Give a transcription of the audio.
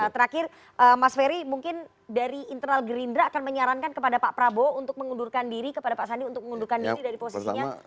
terakhir mas ferry mungkin dari internal gerindra akan menyarankan kepada pak prabowo untuk mengundurkan diri kepada pak sandi untuk mengundurkan diri dari posisinya